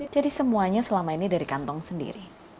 jadi semuanya selama ini dari kantong sendiri